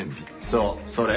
そうそれ。